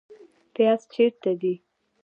پیاز چیرته دي؟